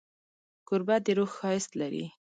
کوربه د روح ښایست لري.